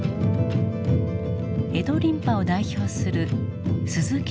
江戸琳派を代表する鈴木其一。